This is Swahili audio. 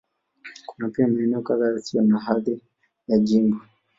Kuna pia maeneo kadhaa yasiyo na hadhi ya jimbo.